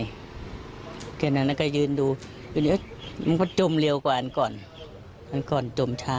เพราะฉะนั้นน่ะก็ยืนดูมันก็จมเร็วกว่าอันก่อนอันก่อนจมช้า